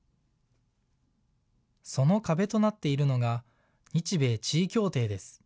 その壁となっているのが日米地位協定です。